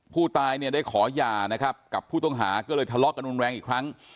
ผู้ตายเนี่ยได้ขอหย่านะครับกับผู้ต้องหาก็เลยทะเลาะกันรุนแรงอีกครั้ง